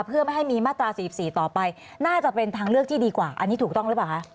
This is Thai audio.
เพื่อไม่ให้มีมาตรา๔๔ต่อไปน่าจะเป็นทางเลือกที่ดีกว่าอันนี้ถูกต้องหรือเปล่าคะ